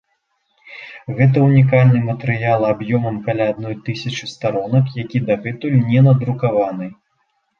Гэта ўнікальны матэрыял аб'ёмам каля адной тысячы старонак, які дагэтуль не надрукаваны.